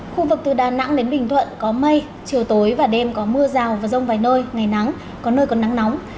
khu vực từ đà nẵng đến bình thuận có mây chiều tối và đêm có mưa rào và rông vài nơi ngày nắng có nơi có nắng nóng